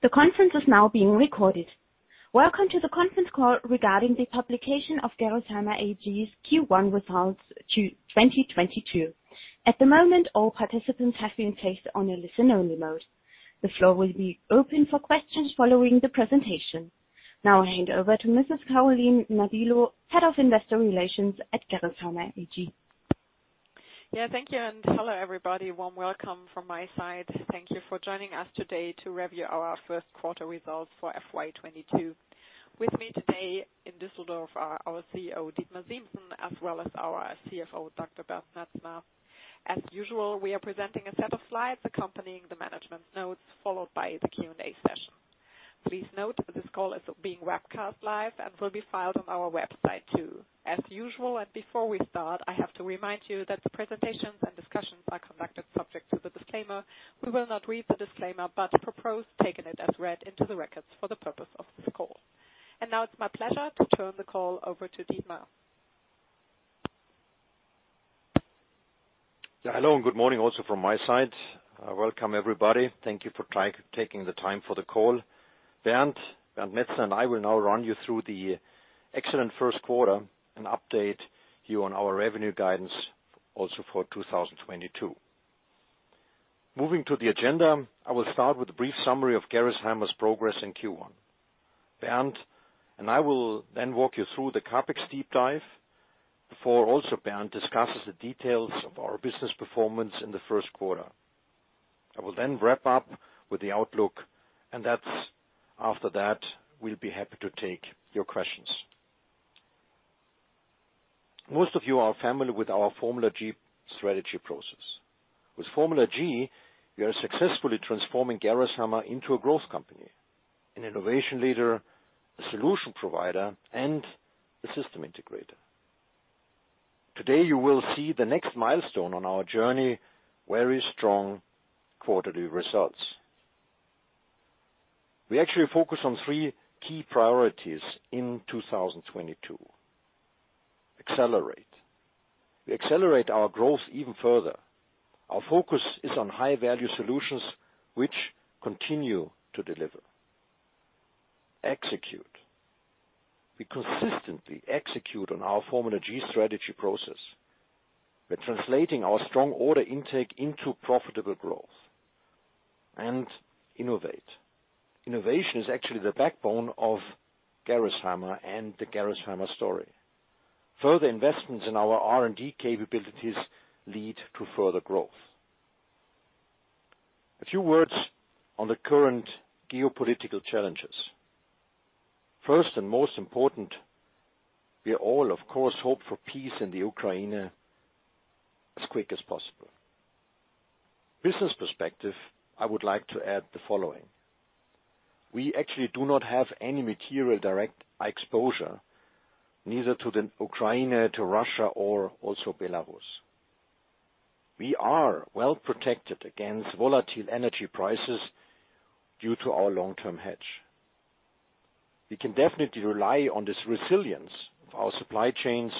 The conference is now being recorded. Welcome to the conference call regarding the publication of Gerresheimer AG's Q1 results to 2022. At the moment, all participants have been placed on a listen-only mode. The floor will be open for questions following the presentation. Now I hand over to Mrs. Carolin Nadilo, Head of Investor Relations at Gerresheimer AG. Yeah, thank you, and hello, everybody. Warm welcome from my side. Thank you for joining us today to review our first quarter results for FY 2022. With me today in Düsseldorf are our CEO, Dietmar Siemssen, as well as our CFO, Dr. Bernd Metzner. As usual, we are presenting a set of slides accompanying the management notes, followed by the Q&A session. Please note, this call is being webcast live and will be filed on our website, too. As usual, and before we start, I have to remind you that the presentations and discussions are conducted subject to the disclaimer. We will not read the disclaimer, but propose taking it as read into the records for the purpose of this call. Now it's my pleasure to turn the call over to Dietmar. Hello, and good morning also from my side. Welcome everybody. Thank you for taking the time for the call. Bernd Metzner and I will now run you through the excellent first quarter and update you on our revenue guidance also for 2022. Moving to the agenda, I will start with a brief summary of Gerresheimer's progress in Q1. Bernd and I will then walk you through the CapEx deep dive before also Bernd discusses the details of our business performance in the first quarter. I will then wrap up with the outlook, and that's, after that, we'll be happy to take your questions. Most of you are familiar with our Formula G strategy process. With Formula G, we are successfully transforming Gerresheimer into a growth company, an innovation leader, a solution provider, and a system integrator. Today, you will see the next milestone on our journey, very strong quarterly results. We actually focus on three key priorities in 2022. Accelerate. We accelerate our growth even further. Our focus is on High Value Solutions which continue to deliver. Execute. We consistently execute on our Formula G strategy process. We're translating our strong order intake into profitable growth. Innovate. Innovation is actually the backbone of Gerresheimer and the Gerresheimer story. Further investments in our R&D capabilities lead to further growth. A few words on the current geopolitical challenges. First and most important, we all, of course, hope for peace in the Ukraine as quick as possible. Business perspective, I would like to add the following. We actually do not have any material direct exposure, neither to the Ukraine, to Russia or also Belarus. We are well-protected against volatile energy prices due to our long-term hedge. We can definitely rely on this resilience of our supply chains,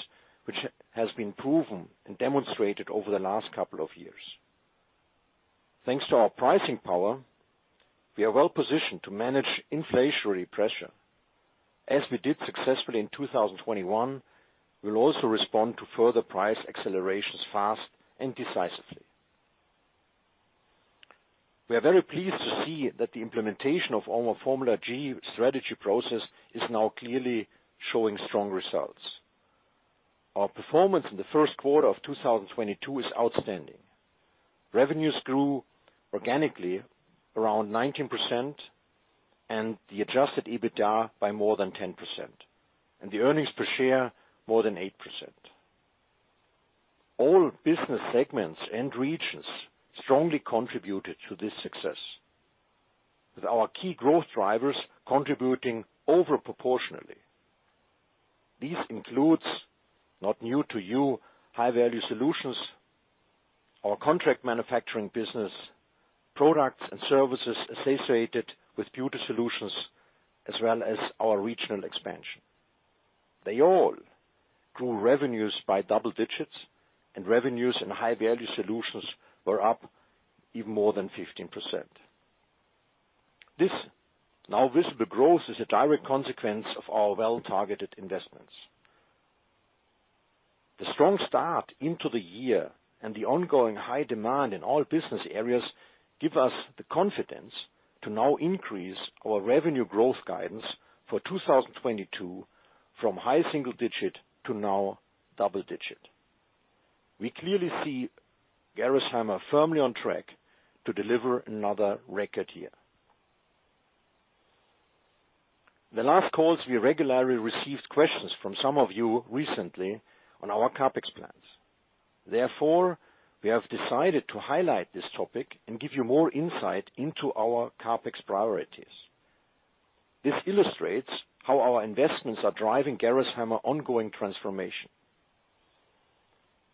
which has been proven and demonstrated over the last couple of years. Thanks to our pricing power, we are well-positioned to manage inflationary pressure. As we did successfully in 2021, we will also respond to further price accelerations fast and decisively. We are very pleased to see that the implementation of our Formula G strategy process is now clearly showing strong results. Our performance in the first quarter of 2022 is outstanding. Revenues grew organically around 19%, and the adjusted EBITDA by more than 10%, and the earnings per share more than 8%. All business segments and regions strongly contributed to this success with our key growth drivers contributing over proportionally. This includes, not new to you, High Value Solutions, our contract manufacturing business, products and services associated with beauty solutions, as well as our regional expansion. They all grew revenues by double digits, and revenues in High Value Solutions were up even more than 15%. This now visible growth is a direct consequence of our well-targeted investments. The strong start into the year and the ongoing high demand in all business areas give us the confidence to now increase our revenue growth guidance for 2022 from high single-digit to double-digit. We clearly see Gerresheimer firmly on track to deliver another record year. In the last calls, we regularly received questions from some of you recently on our CapEx plans. Therefore, we have decided to highlight this topic and give you more insight into our CapEx priorities. This illustrates how our investments are driving Gerresheimer's ongoing transformation.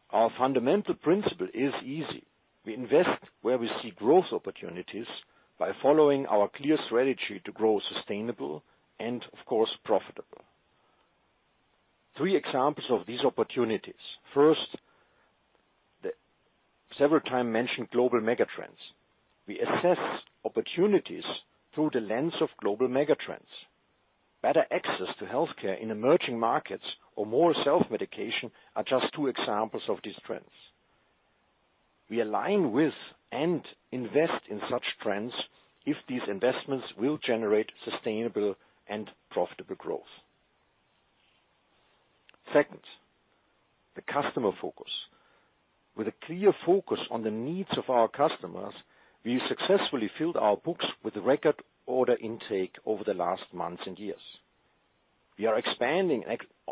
Our fundamental principle is easy. We invest where we see growth opportunities by following our clear strategy to grow sustainable and, of course, profitable. Three examples of these opportunities. First, the several times mentioned global megatrends. We assess opportunities through the lens of global megatrends. Better access to healthcare in emerging markets or more self-medication are just two examples of these trends. We align with and invest in such trends if these investments will generate sustainable and profitable growth. Second, the customer focus. With a clear focus on the needs of our customers, we successfully filled our books with record order intake over the last months and years. We are expanding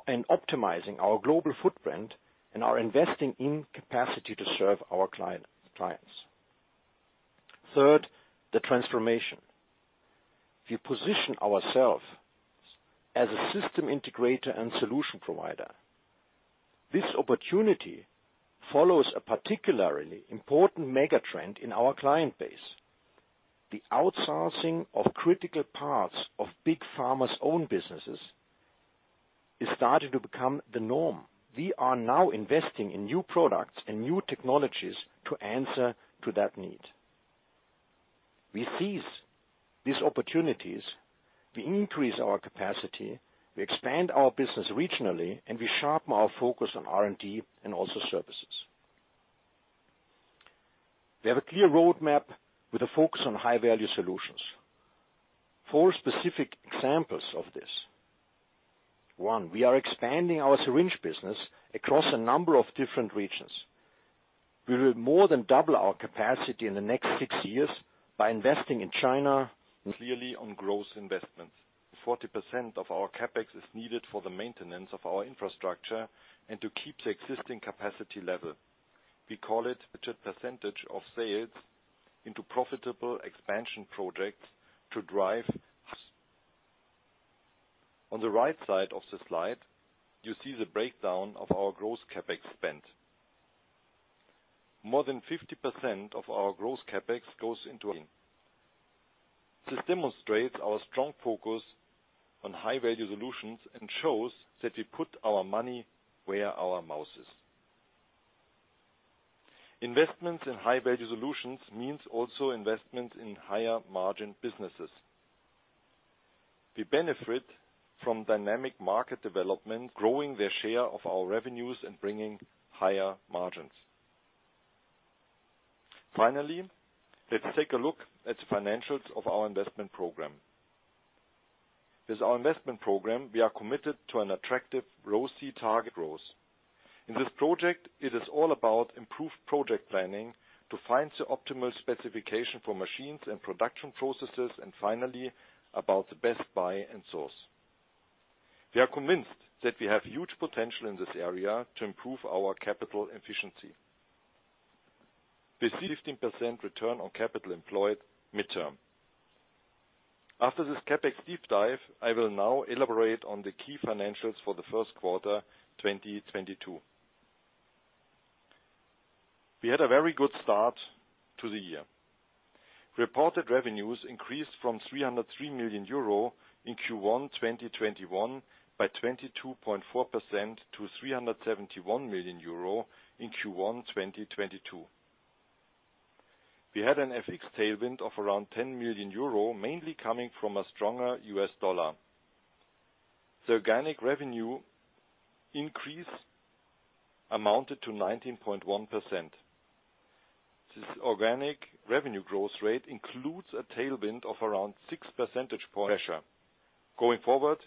and optimizing our global footprint and are investing in capacity to serve our clients. Third, the transformation. We position ourselves as a system integrator and solution provider. This opportunity follows a particularly important megatrend in our client base. The outsourcing of critical parts of Big Pharma's own businesses is starting to become the norm. We are now investing in new products and new technologies to answer to that need. We seize these opportunities, we increase our capacity, we expand our business regionally, and we sharpen our focus on R&D and also services. We have a clear roadmap with a focus on High Value Solutions. Four specific examples of this. One, we are expanding our syringe business across a number of different regions. We will more than double our capacity in the next six years by investing in China. Clearly on growth investments. 40% of our CapEx is needed for the maintenance of our infrastructure and to keep the existing capacity level. We call it a percentage of sales into profitable expansion projects to drive. On the right side of the slide, you see the breakdown of our gross CapEx spend. This demonstrates our strong focus on High Value Solutions and shows that we put our money where our mouth is. Investments in High Value Solutions means also investments in higher margin businesses. We benefit from dynamic market development, growing their share of our revenues, and bringing higher margins. Finally, let's take a look at the financials of our investment program. With our investment program, we are committed to an attractive ROCE target growth. In this project, it is all about improved project planning to find the optimal specification for machines and production processes, and finally, about the best buy and source. We are convinced that we have huge potential in this area to improve our capital efficiency. 15% return on capital employed midterm. After this CapEx deep dive, I will now elaborate on the key financials for the first quarter, 2022. We had a very good start to the year. Reported revenues increased from 303 million euro in Q1 2021 by 22.4% to 371 million euro in Q1 2022. We had an FX tailwind of around 10 million euro, mainly coming from a stronger U.S. dollar. The organic revenue increase amounted to 19.1%. This organic revenue growth rate includes a tailwind of around 6 percentage points from pricing. Going forward,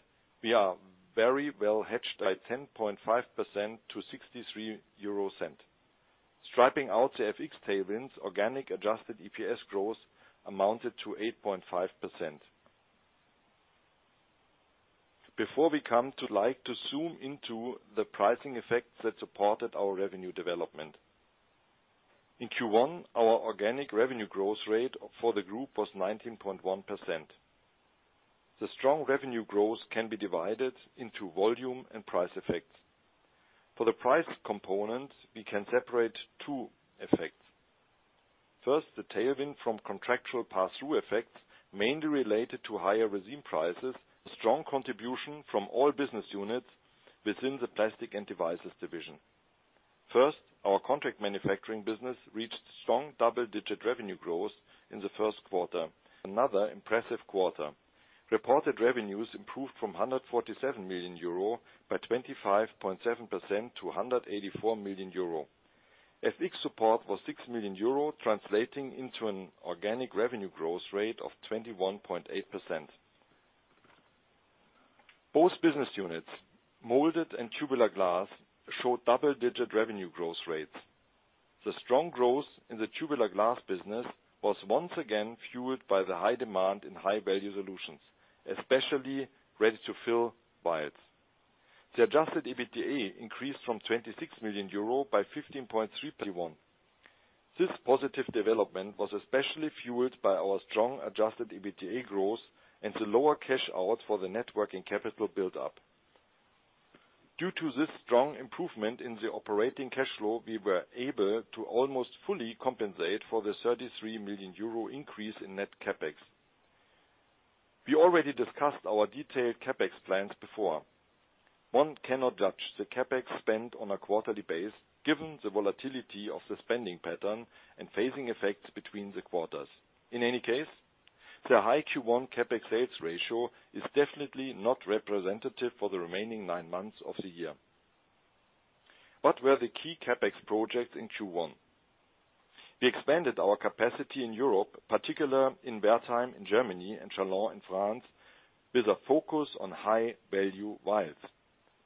we are very well hedged. Adjusted EPS increased by 10.5% to 0.63. Stripping out the FX tailwinds, organic adjusted EPS growth amounted to 8.5%. Before we come to like to zoom into the pricing effects that supported our revenue development. In Q1, our organic revenue growth rate for the group was 19.1%. The strong revenue growth can be divided into volume and price effects. For the price component, we can separate two effects. First, the tailwind from contractual pass-through effects, mainly related to higher resin prices, and a strong contribution from all business units within the Plastics & Devices division. First, our contract manufacturing business reached strong double-digit revenue growth in the first quarter. Another impressive quarter. Reported revenues improved from 147 million euro by 25.7% to 184 million euro. FX support was 6 million euro, translating into an organic revenue growth rate of 21.8%. Both business units, Molded Glass and Tubular Glass, showed double-digit revenue growth rates. The strong growth in the tubular glass business was once again fueled by the high demand in High Value Solutions, especially ready-to-fill vials. The adjusted EBITDA increased from 26 million euro by 15.3%. This positive development was especially fueled by our strong adjusted EBITDA growth and the lower cash out for the net working capital build-up. Due to this strong improvement in the operating cash flow, we were able to almost fully compensate for the 33 million euro increase in net CapEx. We already discussed our detailed CapEx plans before. One cannot judge the CapEx spend on a quarterly basis given the volatility of the spending pattern and phasing effects between the quarters. In any case, the high Q1 CapEx sales ratio is definitely not representative for the remaining nine months of the year. What were the key CapEx projects in Q1? We expanded our capacity in Europe, particularly in Wertheim in Germany and Chalon in France, with a focus on high-value vials.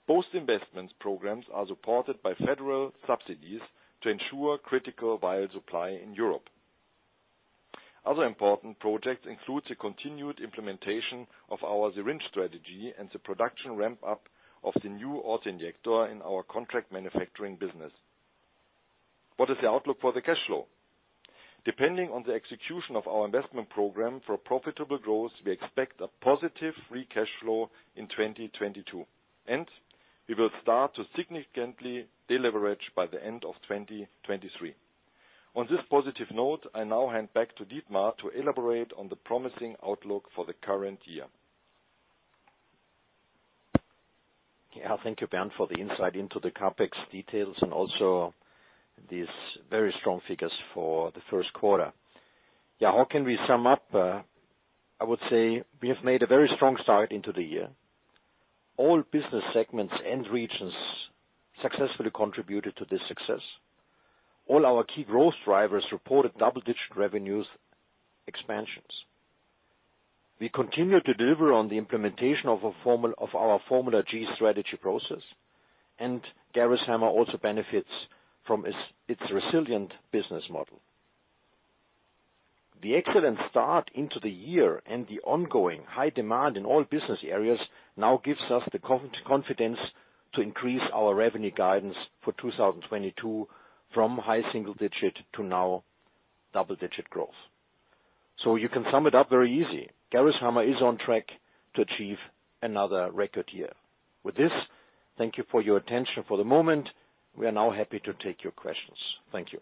Both investment programs are supported by federal subsidies to ensure critical vial supply in Europe. Other important projects include the continued implementation of our syringe strategy and the production ramp-up of the new auto-injector in our contract manufacturing business. What is the outlook for the cash flow? Depending on the execution of our investment program for profitable growth, we expect a positive free cash flow in 2022, and we will start to significantly deleverage by the end of 2023. On this positive note, I now hand back to Dietmar to elaborate on the promising outlook for the current year. Thank you, Bernd, for the insight into the CapEx details and also these very strong figures for the first quarter. How can we sum up? I would say we have made a very strong start into the year. All business segments and regions successfully contributed to this success. All our key growth drivers reported double-digit revenues expansions. We continue to deliver on the implementation of our Formula G strategy process, and Gerresheimer also benefits from its resilient business model. The excellent start into the year and the ongoing high demand in all business areas now gives us the confidence to increase our revenue guidance for 2022 from high single digit to now double digit growth. You can sum it up very easy. Gerresheimer is on track to achieve another record year. With this, thank you for your attention for the moment. We are now happy to take your questions. Thank you.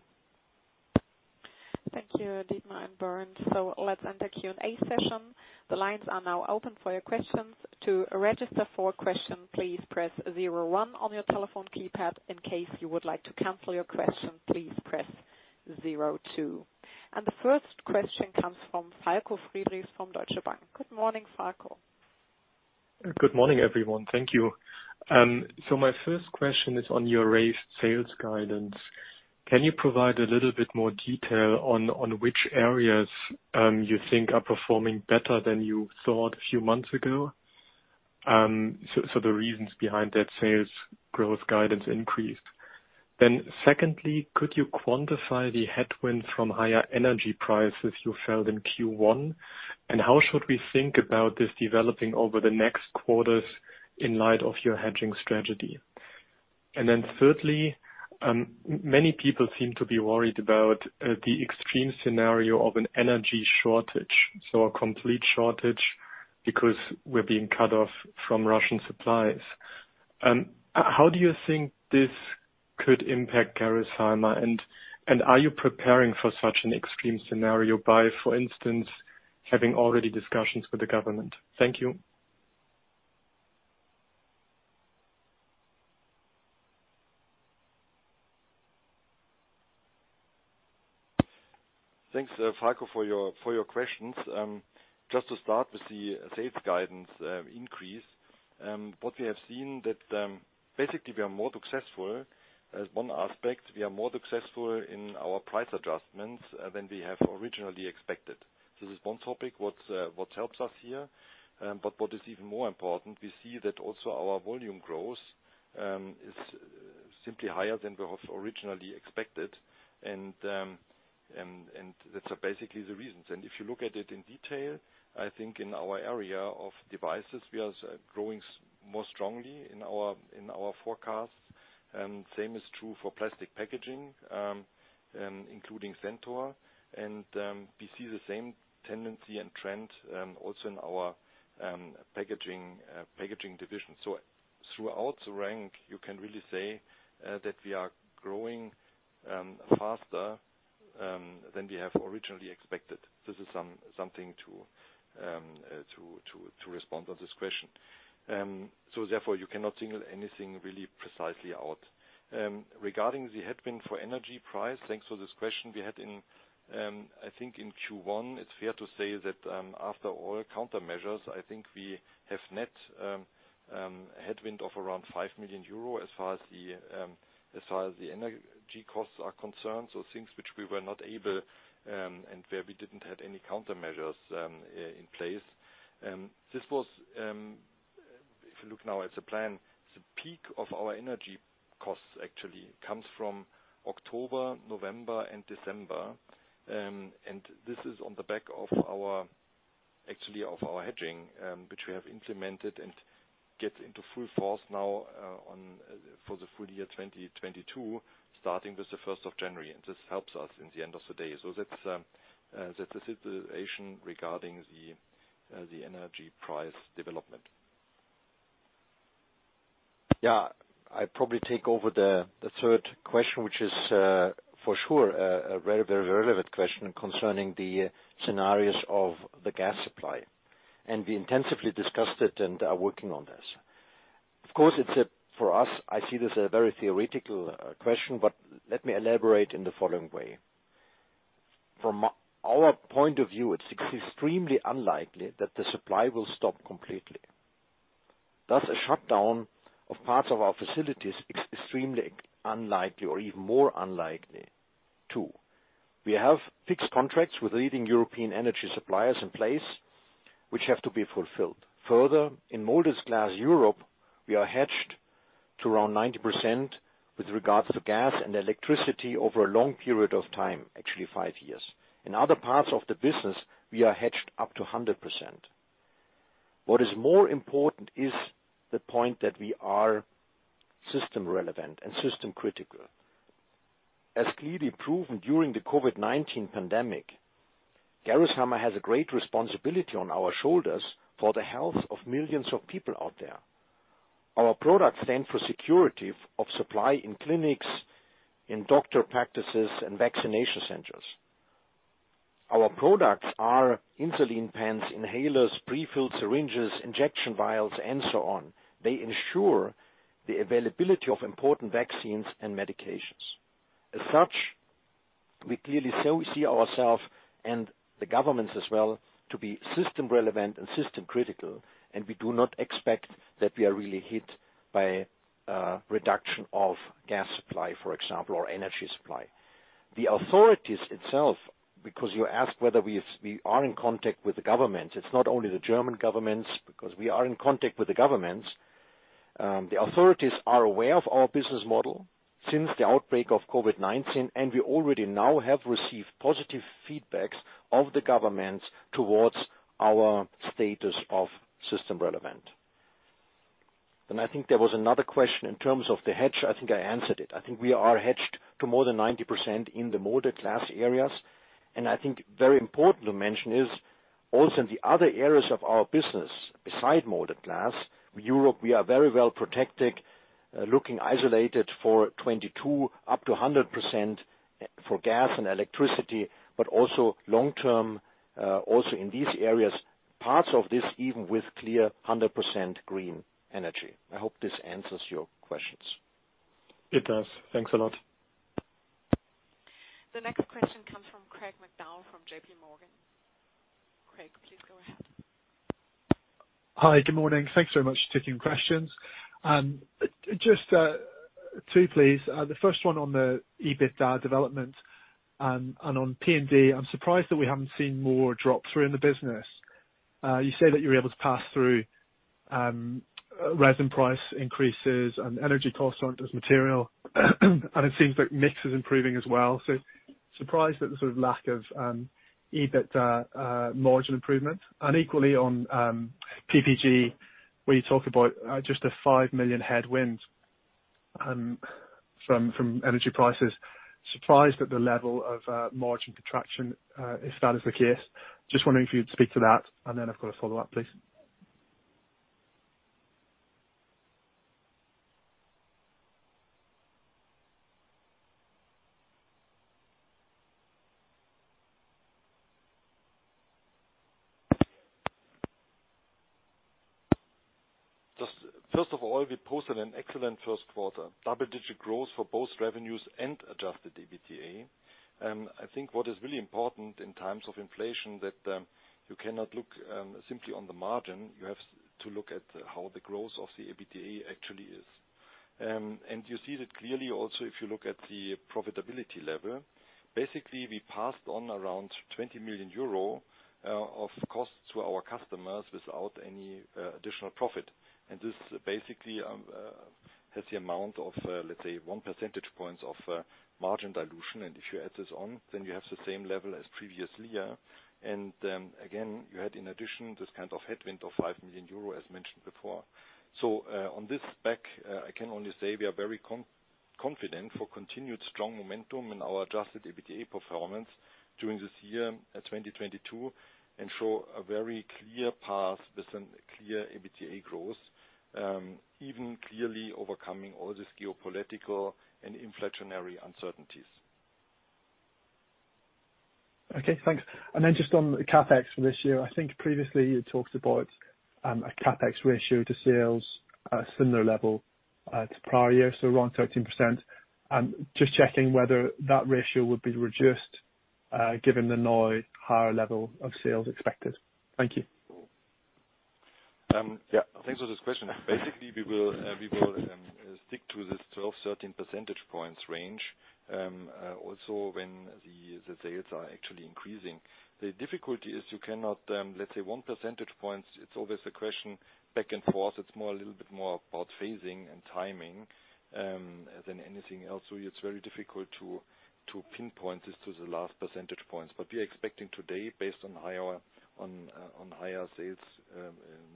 Thank you, Dietmar and Bernd. Let's enter Q&A session. The lines are now open for your questions. The first question comes from Falko Friedrichs from Deutsche Bank. Good morning, Falko. Good morning, everyone. Thank you. My first question is on your raised sales guidance. Can you provide a little bit more detail on which areas you think are performing better than you thought a few months ago? So the reasons behind that sales growth guidance increase. Secondly, could you quantify the headwind from higher energy prices you felt in Q1? And how should we think about this developing over the next quarters in light of your hedging strategy? Thirdly, many people seem to be worried about the extreme scenario of an energy shortage, so a complete shortage, because we're being cut off from Russian supplies. How do you think this could impact Gerresheimer? And are you preparing for such an extreme scenario by, for instance, having already discussions with the government? Thank you. Thanks, Falko, for your questions. Just to start with the sales guidance increase. What we have seen is that basically we are more successful. As one aspect, we are more successful in our price adjustments than we have originally expected. This is one topic what helps us here. What is even more important, we see that also our volume growth is simply higher than we have originally expected. That's basically the reasons. If you look at it in detail, I think in our area of devices, we are growing more strongly in our forecasts. Same is true for plastic packaging including Centor. We see the same tendency and trend also in our packaging division. Throughout the year, you can really say that we are growing faster than we have originally expected. This is something to respond to this question. Therefore, you cannot single anything really precisely out. Regarding the headwind for energy price, thanks for this question. We had in, I think, in Q1, it's fair to say that, after all countermeasures, I think we have net headwind of around 5 million euro as far as the energy costs are concerned, so things which we were not able, and where we didn't have any countermeasures, in place. This was, if you look now at the plan, the peak of our energy costs actually comes from October, November, and December. This is on the back of our, actually of our hedging, which we have implemented and gets into full force now, on for the full year 2022, starting with the first of January. This helps us in the end of the day. That's the situation regarding the energy price development. Yeah, I probably take over the third question, which is for sure a very relevant question concerning the scenarios of the gas supply. We intensively discussed it and are working on this. Of course, it's for us, I see this a very theoretical question, but let me elaborate in the following way. From our point of view, it's extremely unlikely that the supply will stop completely. Thus, a shutdown of parts of our facilities extremely unlikely or even more unlikely too. We have fixed contracts with leading European energy suppliers in place which have to be fulfilled. Further, in Molded Glass Europe, we are hedged to around 90% with regards to gas and electricity over a long period of time, actually five years. In other parts of the business, we are hedged up to 100%. What is more important is the point that we are system relevant and system critical. As clearly proven during the COVID-19 pandemic, Gerresheimer has a great responsibility on our shoulders for the health of millions of people out there. Our products stand for security of supply in clinics, in doctor practices, and vaccination centers. Our products are insulin pens, inhalers, prefilled syringes, injection vials, and so on. They ensure the availability of important vaccines and medications. As such, we clearly so see ourselves and the governments as well to be system relevant and system critical, and we do not expect that we are really hit by reduction of gas supply, for example, or energy supply. The authorities itself, because you asked whether we are in contact with the government. It's not only the German governments, because we are in contact with the governments. The authorities are aware of our business model since the outbreak of COVID-19, and we already now have received positive feedback from the government towards our status of system relevant. I think there was another question in terms of the hedge. I think I answered it. I think we are hedged to more than 90% in the Molded Glass areas. I think very important to mention is also in the other areas of our business, besides Molded Glass, Europe, we are very well-protected, looking isolated for 2022, up to 100% for gas and electricity, but also long-term, also in these areas, parts of this, even with clear 100% green energy. I hope this answers your questions. It does. Thanks a lot. The next question comes from David Adlington, from JPMorgan. David, please go ahead. Hi. Good morning. Thanks very much for taking questions. Just 2, please. The first one on the EBITDA development and on P&D, I'm surprised that we haven't seen more drop through in the business. You say that you're able to pass through resin price increases and energy costs onto this material, and it seems like mix is improving as well. Surprised at the sort of lack of EBITDA margin improvement. Equally on PPG, where you talk about just 5 million headwinds from energy prices. Surprised at the level of margin contraction if that is the case. Just wondering if you'd speak to that, and then I've got a follow-up, please. Just first of all, we posted an excellent first quarter, double-digit growth for both revenues and adjusted EBITDA. I think what is really important in times of inflation that you cannot look simply on the margin. You have to look at how the growth of the EBITDA actually is. You see that clearly also, if you look at the profitability level. Basically, we passed on around 20 million euro of costs to our customers without any additional profit. This basically has the amount of, let's say 1 percentage points of margin dilution. If you add this on, then you have the same level as previous year. Again, you had, in addition, this kind of headwind of 5 million euro as mentioned before. On this aspect, I can only say we are very confident for continued strong momentum in our adjusted EBITDA performance during this year, 2022, and show a very clear path with some clear EBITDA growth, even clearly overcoming all this geopolitical and inflationary uncertainties. Okay, thanks. Just on the CapEx for this year, I think previously you talked about a CapEx ratio to sales, a similar level to prior year, so around 13%. Just checking whether that ratio would be reduced given the now higher level of sales expected. Thank you. Yeah. Thanks for this question. Basically, we will stick to this 12-13 percentage points range, also when the sales are actually increasing. The difficulty is you cannot, let's say 1 percentage point, it's always a question back and forth. It's a little bit more about phasing and timing than anything else. It's very difficult to pinpoint this to the last percentage points. We are expecting today, based on higher sales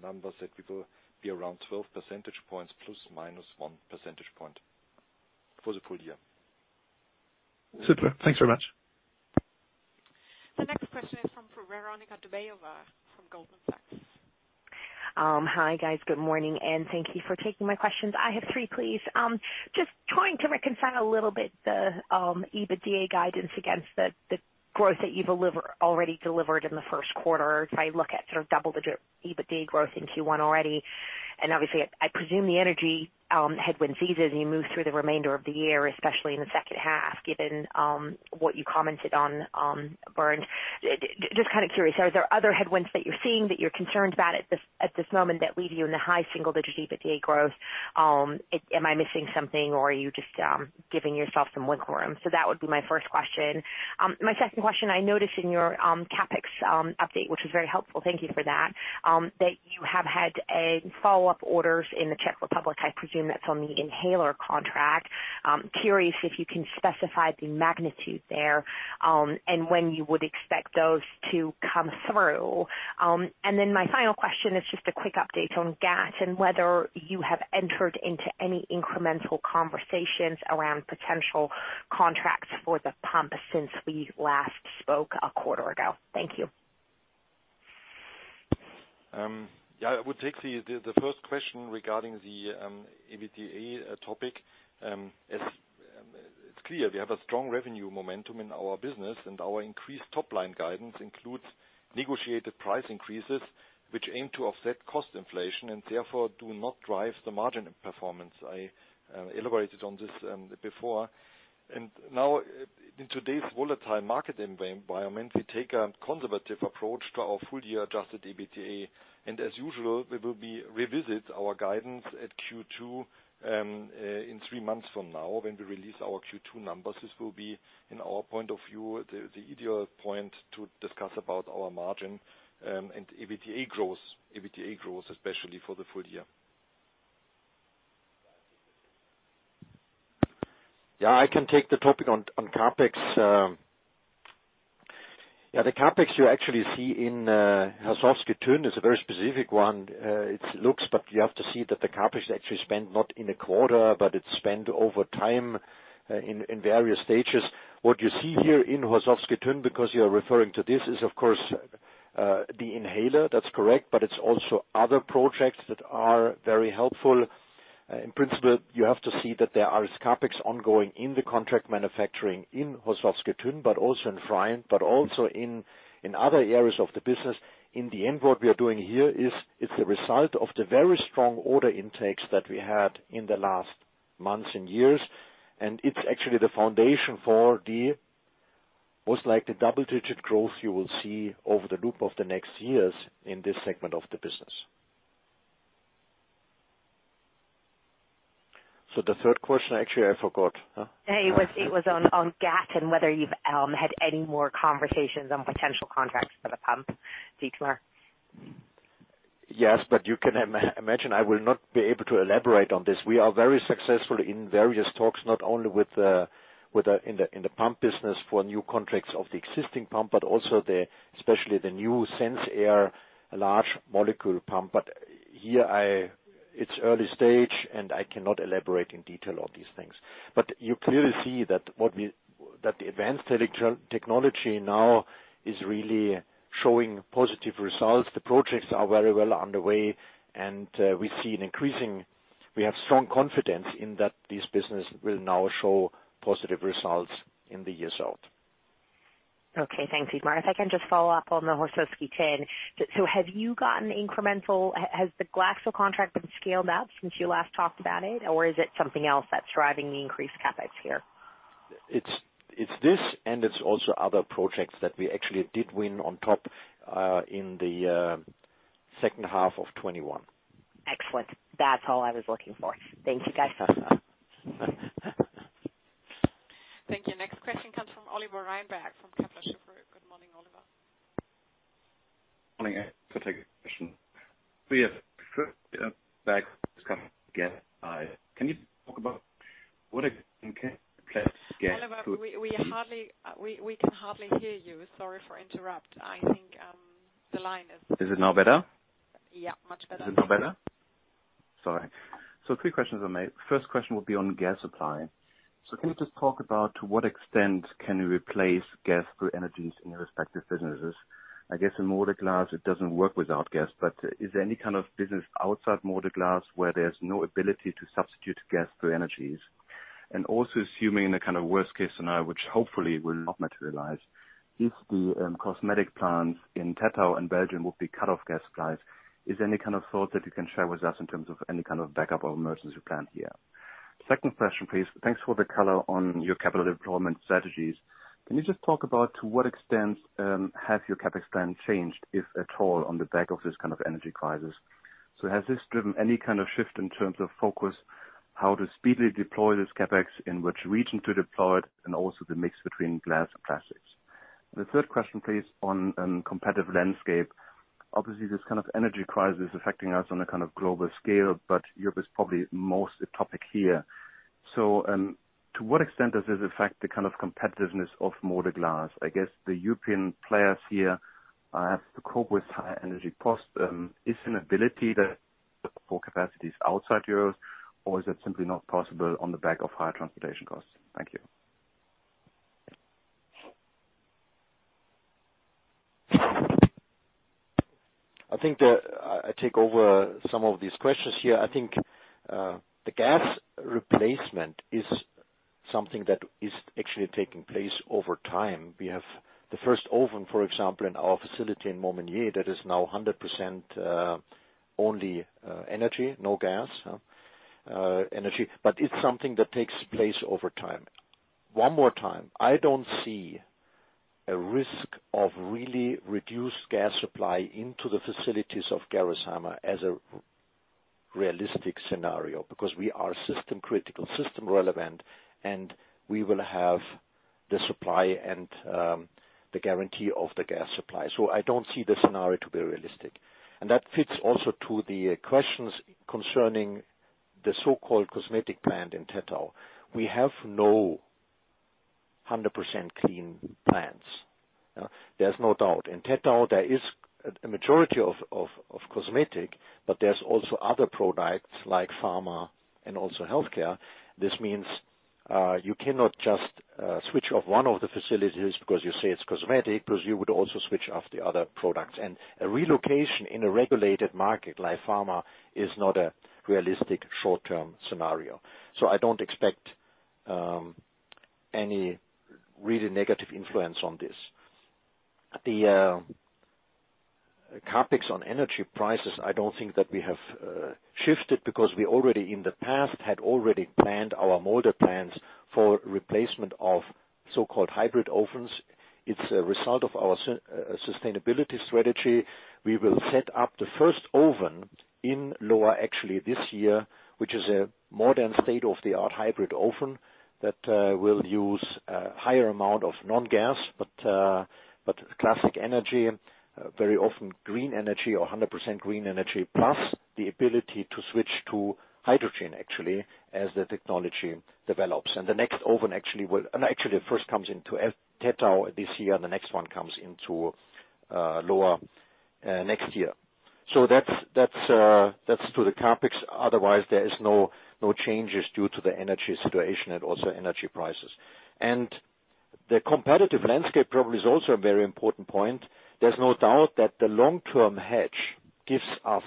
numbers, that we will be around 12 percentage points, plus or minus 1 percentage point for the full year. Super. Thanks very much. Veronika Dubajova from Goldman Sachs. Hi, guys. Good morning, and thank you for taking my questions. I have three, please. Just trying to reconcile a little bit the EBITDA guidance against the growth that you've already delivered in the first quarter. If I look at sort of double-digit EBITDA growth in Q1 already, and obviously I presume the energy headwind ceases as you move through the remainder of the year, especially in the second half, given what you commented on, Bernd. Just kind of curious, are there other headwinds that you're seeing that you're concerned about at this moment that leave you in the high single-digit EBITDA growth? Am I missing something or are you just giving yourself some wiggle room? That would be my first question. My second question, I noticed in your CapEx update, which was very helpful, thank you for that you have had follow-up orders in the Czech Republic. I presume that's on the inhaler contract. Curious if you can specify the magnitude there, and when you would expect those to come through. And then my final question is just a quick update on Gx and whether you have entered into any incremental conversations around potential contracts for the pump since we last spoke a quarter ago. Thank you. Yeah, I would take the first question regarding the EBITDA topic. As it's clear we have a strong revenue momentum in our business, and our increased top-line guidance includes negotiated price increases, which aim to offset cost inflation and therefore do not drive the margin performance. I elaborated on this before. In today's volatile market environment, we take a conservative approach to our full-year adjusted EBITDA. As usual, we will revisit our guidance at Q2 in three months from now, when we release our Q2 numbers. This will be, in our point of view, the ideal point to discuss about our margin and EBITDA growth, especially for the full year. Yeah, I can take the topic on CapEx. The CapEx you actually see in Horšovský Týn is a very specific one. It looks but you have to see that the CapEx is actually spent not in a quarter, but it's spent over time, in various stages. What you see here in Horšovský Týn, because you're referring to this, is of course the inhaler, that's correct, but it's also other projects that are very helpful. In principle, you have to see that there is CapEx ongoing in the contract manufacturing in Horšovský Týn, but also in Pfreimd, but also in other areas of the business. In the end, what we are doing here is it's the result of the very strong order intakes that we had in the last months and years, and it's actually the foundation for the most likely double-digit growth you will see over the loop of the next years in this segment of the business. The third question, actually, I forgot. Huh? It was on Gx and whether you've had any more conversations on potential contracts for the pump, Dietmar. Yes, you can imagine I will not be able to elaborate on this. We are very successful in various talks, not only in the pump business for new contracts of the existing pump, but also especially the new Sensile large molecule pump. It's early stage, and I cannot elaborate in detail on these things. You clearly see that the advanced technology now is really showing positive results. The projects are very well underway, and we see an increasing. We have strong confidence in that this business will now show positive results in the years out. Okay, thanks, Dietmar. If I can just follow up on the Horšovský Týn. Has the Glaxo contract been scaled up since you last talked about it, or is it something else that's driving the increased CapEx here? It's this, and it's also other projects that we actually did win on top in the second half of 2021. Excellent. That's all I was looking for. Thank you, guys. Thank you. Next question comes from Oliver Reinberg, from Kepler Cheuvreux. Good morning, Oliver. Morning. I take a question. Yes, first, back again. Can you talk about what? Okay. Oliver, we can hardly hear you. Sorry for interrupting. I think the line is- Is it now better? Yeah, much better. Is it now better? Sorry. Three questions were made. First question will be on gas supply. Can you just talk about to what extent can you replace gas with other energies in your respective businesses? I guess in Molded Glass it doesn't work without gas, but is there any kind of business outside Molded Glass where there's no ability to substitute gas with other energies? Also assuming the kind of worst-case scenario, which hopefully will not materialize, if the plastic plants in Tettau and Belgium will be cut off from gas supplies, is there any kind of thought that you can share with us in terms of any kind of backup or emergency plan here? Second question, please. Thanks for the color on your capital deployment strategies. Can you just talk about to what extent have your CapEx plan changed, if at all, on the back of this kind of energy crisis? Has this driven any kind of shift in terms of focus, how to speedily deploy this CapEx, in which region to deploy it, and also the mix between glass and plastics? The third question, please, on competitive landscape. Obviously, this kind of energy crisis is affecting us on a kind of global scale, but Europe is probably most a topic here. To what extent does this affect the kind of competitiveness of Molded Glass? I guess the European players here have to cope with high energy costs. For capacities outside Europe, or is it simply not possible on the back of higher transportation costs? Thank you. I think that I take over some of these questions here. I think, the gas replacement is something that is actually taking place over time. We have the first oven, for example, in our facility in Momignies, that is now 100%, only, energy, no gas, energy. But it's something that takes place over time. One more time, I don't see a risk of really reduced gas supply into the facilities of Gerresheimer as a realistic scenario, because we are system critical, system relevant, and we will have the supply and, the guarantee of the gas supply. So I don't see the scenario to be realistic. That fits also to the questions concerning the so-called cosmetic plant in Tettau. We have no 100% clean plants. There's no doubt. In Tettau, there is a majority of cosmetics, but there's also other products like pharma and also healthcare. This means you cannot just switch off one of the facilities because you say it's cosmetics, because you would also switch off the other products. A relocation in a regulated market like pharma is not a realistic short-term scenario. I don't expect any really negative influence on this. The CapEx on energy prices, I don't think that we have shifted because we already in the past had already planned our mold plans for replacement of so-called hybrid ovens. It's a result of our sustainability strategy. We will set up the first oven in Lohr actually this year, which is a modern state-of-the-art hybrid oven that will use a higher amount of non-gas, but classic energy, very often green energy or 100% green energy, plus the ability to switch to hydrogen, actually, as the technology develops. It first comes into Tettau this year, and the next one comes into Lohr next year. That's to the CapEx. Otherwise, there is no changes due to the energy situation and also energy prices. The competitive landscape probably is also a very important point. There's no doubt that the long-term hedge gives us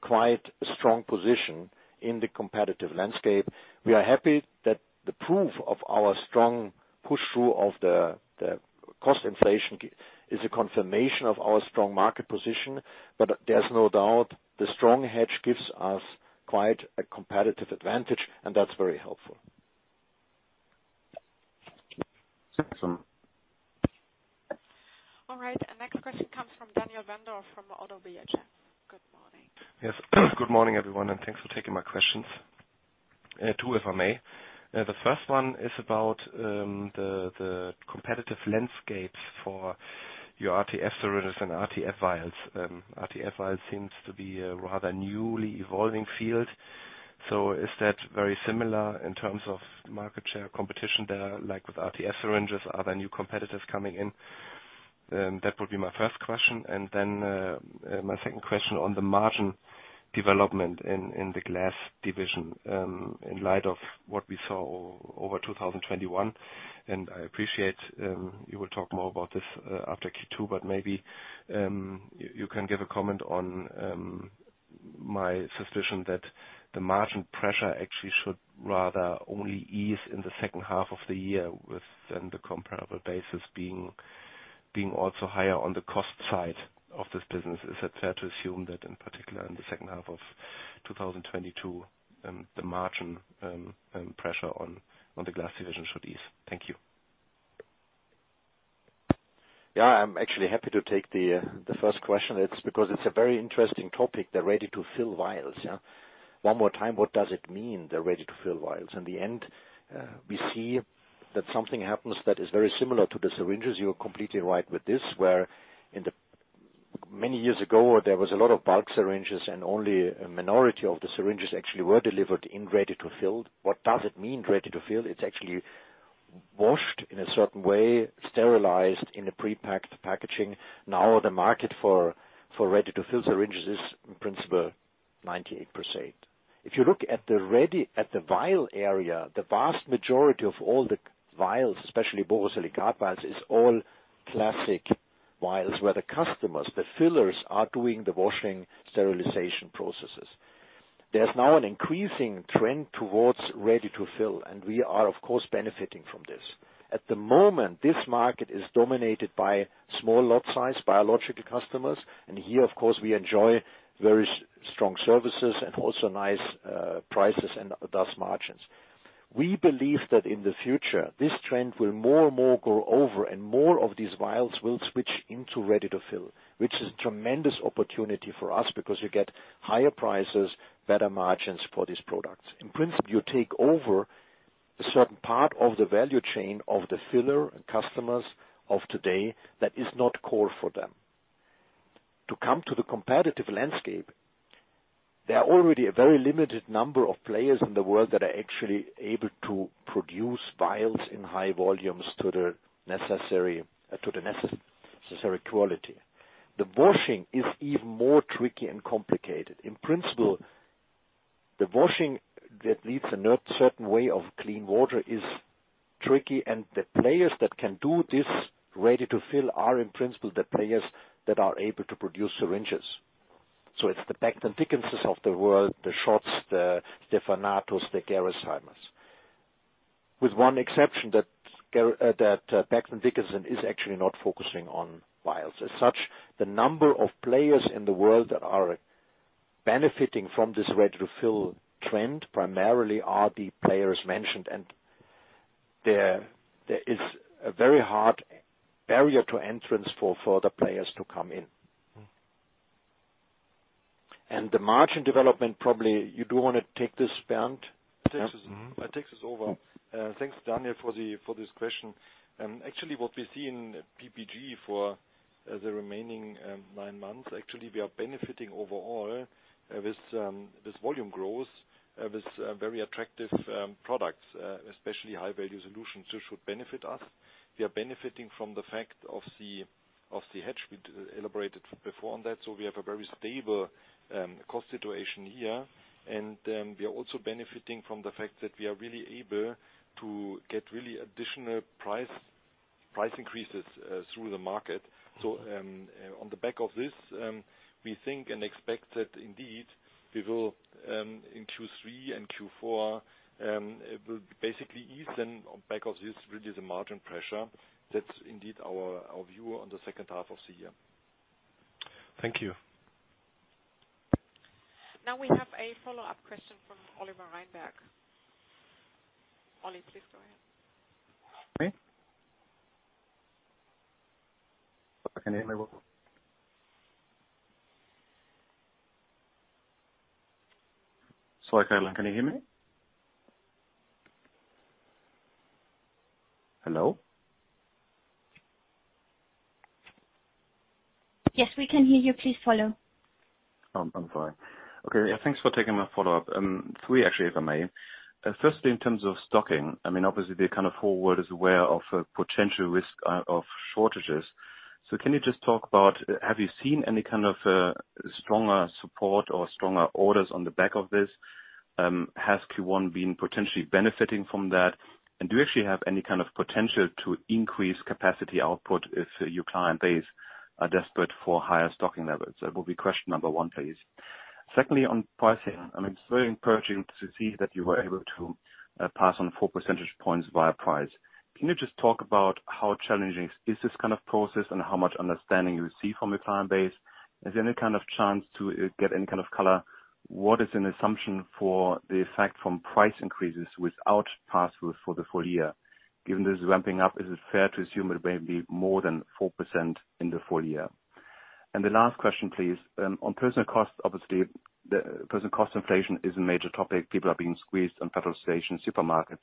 quite a strong position in the competitive landscape. We are happy that the proof of our strong push-through of the cost inflation is a confirmation of our strong market position. There's no doubt the strong hedge gives us quite a competitive advantage, and that's very helpful. Thanks so much. All right. Our next question comes from Daniel Wendorff from ODDO BHF. Good morning. Yes. Good morning, everyone, and thanks for taking my questions. Two, if I may. The first one is about the competitive landscapes for your RTF syringes and RTF vials. RTF vials seems to be a rather newly evolving field. So is that very similar in terms of market share competition there, like with RTF syringes? Are there new competitors coming in? That would be my first question. Then my second question on the margin development in the glass division, in light of what we saw over 2021. I appreciate you will talk more about this after Q2, but maybe you can give a comment on my suspicion that the margin pressure actually should rather only ease in the second half of the year with then the comparable basis being also higher on the cost side of this business. Is it fair to assume that in particular in the second half of 2022 the margin pressure on the glass division should ease? Thank you. Yeah. I'm actually happy to take the first question. It's because it's a very interesting topic, the ready-to-fill vials, yeah. One more time, what does it mean, the ready-to-fill vials? In the end, we see that something happens that is very similar to the syringes. You're completely right with this. Many years ago, there was a lot of bulk syringes, and only a minority of the syringes actually were delivered in ready-to-fill. What does it mean, ready-to-fill? It's actually washed in a certain way, sterilized in a prepacked packaging. Now, the market for ready-to-fill syringes is in principle 98%. If you look at the vial area, the vast majority of all the vials, especially borosilicate vials, is all classic vials, where the customers, the fillers are doing the washing sterilization processes. There's now an increasing trend towards ready-to-fill, and we are, of course, benefiting from this. At the moment, this market is dominated by small lot size biological customers, and here, of course, we enjoy very strong services and also nice prices and thus margins. We believe that in the future, this trend will more and more go over and more of these vials will switch into ready-to-fill, which is a tremendous opportunity for us because you get higher prices, better margins for these products. In principle, you take over a certain part of the value chain of the filler and customers of today that is not core for them. To come to the competitive landscape, there are already a very limited number of players in the world that are actually able to produce vials in high volumes to the necessary quality. The washing is even more tricky and complicated. In principle, the washing that needs a certain way of clean water is tricky, and the players that can do this ready-to-fill are in principle the players that are able to produce syringes. It's the Becton Dickinson's of the world, the SCHOTT, the Stevanato, the Gerresheimers. With one exception, that Becton Dickinson is actually not focusing on vials. As such, the number of players in the world that are benefiting from this ready-to-fill trend primarily are the players mentioned. There is a very hard barrier to entrance for further players to come in. Mm-hmm. The margin development, probably you do wanna take this, Bernd? Yes, mm-hmm. I take this over. Thanks, Daniel, for this question. Actually what we see in PPG for the remaining nine months, actually we are benefiting overall with volume growth with very attractive products especially High Value Solutions, so should benefit us. We are benefiting from the fact of the hedge we'd elaborated before on that, so we have a very stable cost situation here. We are also benefiting from the fact that we are really able to get really additional price increases through the market. On the back of this, we think and expect that indeed we will in Q3 and Q4 it will basically ease then on back of this, really, the margin pressure. That's indeed our view on the second half of the year. Thank you. Now we have a follow-up question from Oliver Reinberg. Oli, please go ahead. Okay. Can you hear me well? Can you hear me? Hello? Yes, we can hear you. Please follow. I'm sorry. Okay, yeah, thanks for taking my follow-up. Three actually, if I may. Firstly, in terms of stocking, I mean, obviously the kind of whole world is aware of a potential risk of shortages. Can you just talk about, have you seen any kind of stronger support or stronger orders on the back of this? Has Q1 been potentially benefiting from that? Do you actually have any kind of potential to increase capacity output if your client base are desperate for higher stocking levels? That will be question number one, please. Secondly, on pricing, I mean, it's very encouraging to see that you were able to pass on four percentage points via price. Can you just talk about how challenging is this kind of process and how much understanding you receive from your client base? Is there any kind of chance to get any kind of color? What is an assumption for the effect from price increases without pass through for the full year? Given this ramping up, is it fair to assume it may be more than 4% in the full year? The last question, please. On personnel costs, obviously the personnel cost inflation is a major topic. People are being squeezed on gas stations, supermarkets.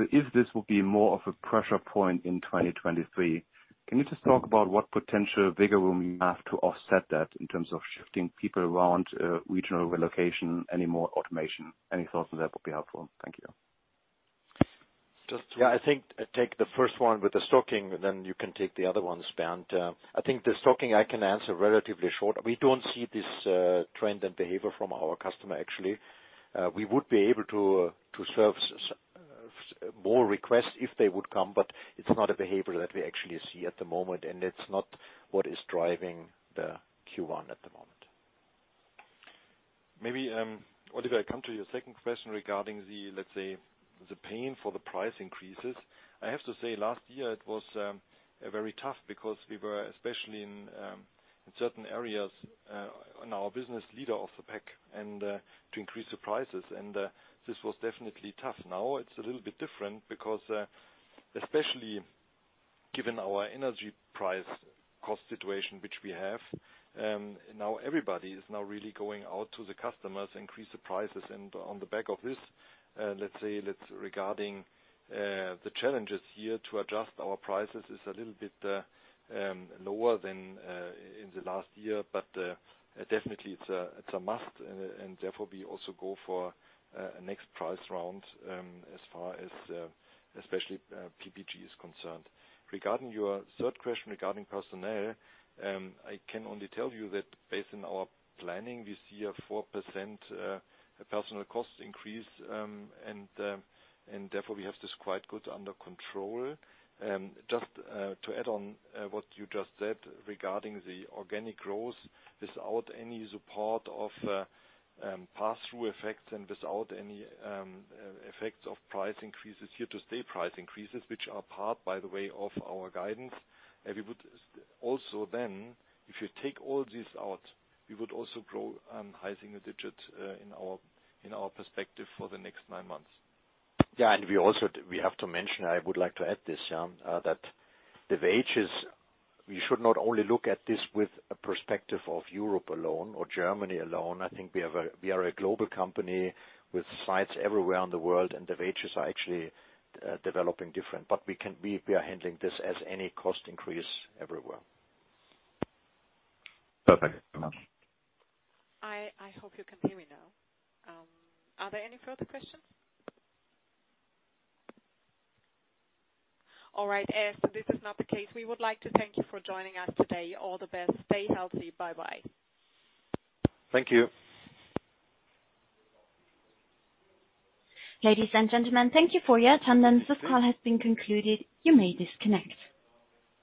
If this will be more of a pressure point in 2023, can you just talk about what potential wiggle room you have to offset that in terms of shifting people around, regional relocation, any more automation? Any thoughts on that would be helpful. Thank you. Just, yeah, I think I take the first one with the stocking, and then you can take the other ones, Bernd. I think the stocking I can answer relatively short. We don't see this trend and behavior from our customer actually. We would be able to service more requests if they would come, but it's not a behavior that we actually see at the moment, and it's not what is driving the Q1 at the moment. Maybe, Oliver, I come to your second question regarding the, let's say, the pain for the price increases. I have to say last year it was very tough because we were, especially in certain areas, in our business, leader of the pack and to increase the prices, and this was definitely tough. Now it's a little bit different because, especially given our energy price cost situation which we have, now everybody is really going out to the customers, increase the prices. On the back of this, let's say, regarding the challenges here to adjust our prices is a little bit lower than in the last year. Definitely it's a must and therefore we also go for a next price round, as far as especially PPG is concerned. Regarding your third question regarding personnel, I can only tell you that based on our planning, we see a 4% personnel cost increase. And therefore we have this quite good under control. Just to add on what you just said regarding the organic growth, without any support of pass-through effects and without any effects of here-to-stay price increases, which are part, by the way, of our guidance, and we would also then, if you take all this out, we would also grow high single digit in our perspective for the next nine months. We have to mention, I would like to add this, that the wages, we should not only look at this with a perspective of Europe alone or Germany alone. I think we are a global company with sites everywhere in the world, and the wages are actually developing different. We are handling this as any cost increase everywhere. Perfect. Thank you very much. I hope you can hear me now. Are there any further questions? All right. As this is not the case, we would like to thank you for joining us today. All the best. Stay healthy. Bye-bye. Thank you. Ladies and gentlemen, thank you for your attendance. This call has been concluded. You may disconnect.